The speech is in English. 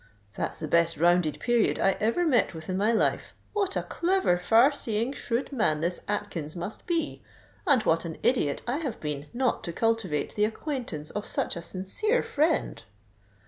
_' That's the best rounded period I ever met with in my life. What a clever, far seeing, shrewd man this Atkins must be: and what an idiot I have been not to cultivate the acquaintance of such a sincere friend!